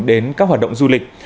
đến các hoạt động du lịch